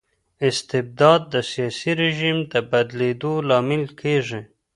استبداد د سياسي رژيم د بدلیدو لامل کيږي.